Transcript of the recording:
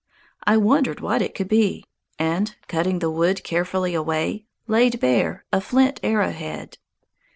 I wondered what it could be, and, cutting the wood carefully away, laid bare a flint arrowhead.